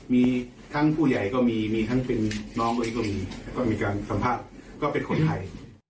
มีทั้งผู้ใหญ่ก็มีมีทั้งเป็นน้องเลยก็มีแล้วก็มีการสัมภาษณ์ก็เป็นคนไทย